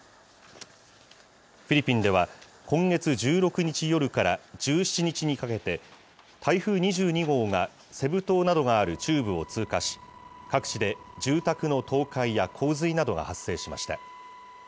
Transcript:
フィリピンでは、今月１６日夜から１７日にかけて、台風２２号がセブ島などがある中部を通過し、各地で住宅の倒壊や洪水などが発生しました。